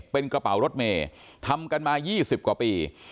เป็นกระเป๋ารถเมย์ทำกันมา๒๐กว่าปี